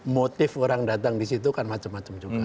motif orang datang disitu kan macam macam juga